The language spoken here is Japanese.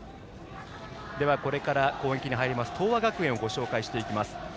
これから攻撃に入ります東亜学園をご紹介します。